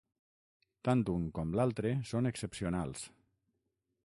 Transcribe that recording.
Tant un com l'altre són excepcionals.